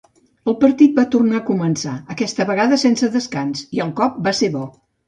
El partit va tornar a començar, aquesta vegada sense descans, i el cop va ser bo.